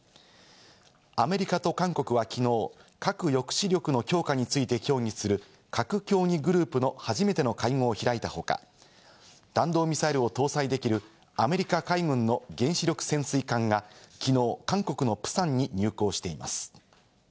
アメリカと韓国はきのう、核抑止力の強化について協議する核協議グループの初めての会合を開いた他、弾道ミサイルを搭載できるアメリカ海軍の原子力潜水艦がきのう、韓国のプサンに入港しています。